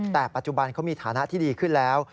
แต่ปัจจุบันเขามีฐานะที่ดีขึ้นแล้ว